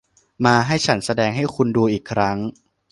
มา ให้ฉันแสดงให้คุณดูอีกครั้ง